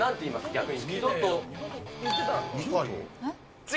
逆に。